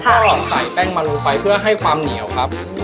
ก็ใส่แป้งมะรูไปเพื่อให้ความเหนียวครับ